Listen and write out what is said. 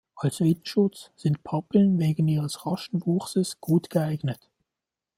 Als Windschutz sind Pappeln wegen ihres raschen Wuchses gut geeignet.